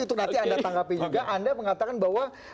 untuk nanti anda tangkapi juga anda mengatakan bahwa